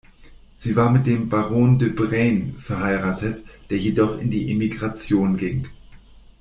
Sie war mit dem Baron de "Brane" verheiratet, der jedoch in die Emigration ging.